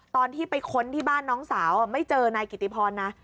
ตอนที่ไปค้นที่บ้านน้องสาวไม่เจอนายกิติพรนะ